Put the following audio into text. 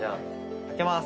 開けます。